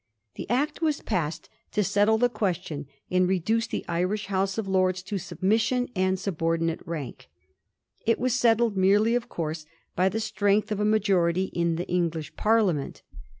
The Act was passed to settle the question, and reduce the Irish House of Lords to sub mission and subordinate rank. It was settled merely of course by the strength of a majority in the English Parliament.